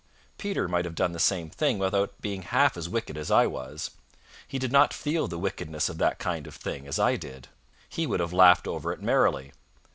Peter might have done the same thing without being half as wicked as I was. He did not feel the wickedness of that kind of thing as I did. He would have laughed over it merrily.